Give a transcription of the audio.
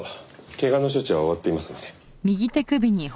怪我の処置は終わっていますので。